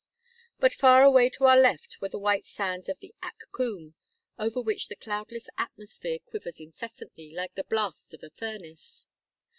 But far away to our left were the white sands of the Ak Kum, over which the cloudless atmosphere quivers incessantly, like the blasts of a furnace.